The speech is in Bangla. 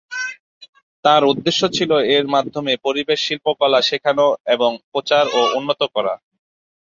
তাঁর উদ্দেশ্য ছিল এর মাধ্যমে পরিবেশন শিল্পকলা শেখানো এবং প্রচার ও উন্নত করা।